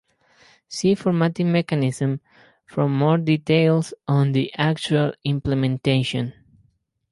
See Formatting Mechanism for more details on the actual implementation.